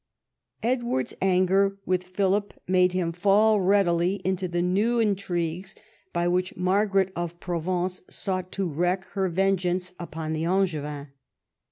Edward's anger with Philip made him fall readily into the new intrigues by which Margaret of Provence sought to wreak her vengeance upon the Angevin.